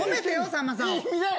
さんまさんを。